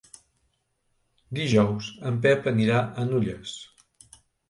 Dijous en Pep anirà a Nulles.